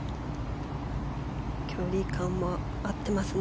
距離感も合ってますね。